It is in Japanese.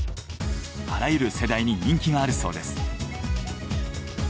あらゆる世代に人気があるそうです。